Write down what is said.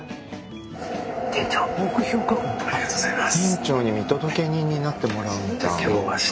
ありがとうございます。